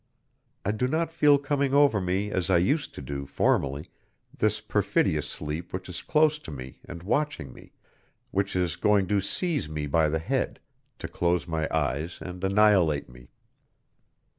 I do not feel coming over me, as I used to do formerly, this perfidious sleep which is close to me and watching me, which is going to seize me by the head, to close my eyes and annihilate me.